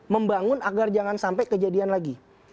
membangun agar jangan sampai kejadian lagi